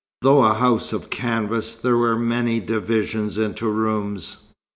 Though a house of canvas, there were many divisions into rooms.